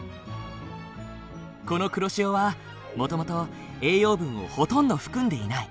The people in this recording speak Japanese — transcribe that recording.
この黒潮はもともと栄養分をほとんど含んでいない。